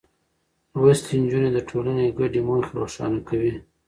لوستې نجونې د ټولنې ګډې موخې روښانه کوي.